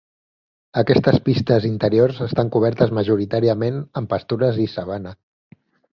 Aquestes pistes interiors estan cobertes majoritàriament amb pastures i sabana.